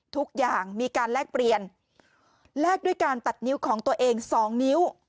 ทุกอย่างมีการแลกเปลี่ยนแลกด้วยการตัดนิ้วของตัวเองสองนิ้ว